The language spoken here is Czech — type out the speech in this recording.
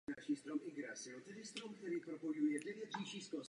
Motor a převodovka autobusu se nachází v mohutné zadní části.